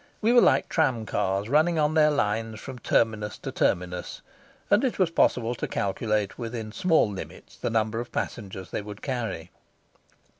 We were like tram cars running on their lines from terminus to terminus, and it was possible to calculate within small limits the number of passengers they would carry.